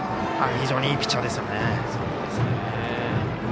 非常にいいピッチャーですよね。